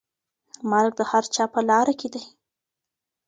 مرګ د هر چا په لاره کي دی.